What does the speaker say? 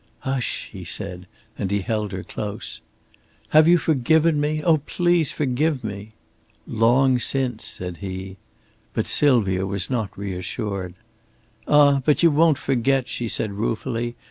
"Hush!" he said, and he held her close. "Have you forgiven me? Oh, please forgive me!" "Long since," said he. But Sylvia was not reassured. "Ah, but you won't forget," she said, ruefully.